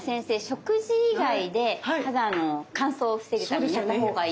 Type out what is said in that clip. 食事以外で肌の乾燥を防ぐためにやったほうがいい。